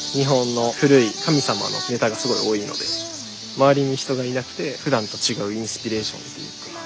周りに人がいなくてふだんと違うインスピレーションっていうか。